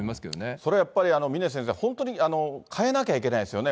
それはやっぱり、峰先生、本当に変えなきゃいけないですよね。